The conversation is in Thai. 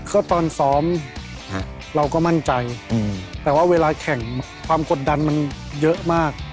ก็ตอนซ้อมเราก็มั่นใจแต่ว่าเวลาแข่งความกดดันมันเยอะมาก